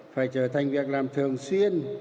phải trở thành việc làm thường xuyên